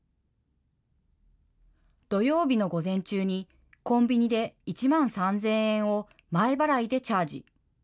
土曜日の午前中に、コンビニで１万３０００円を前払いでチャージ。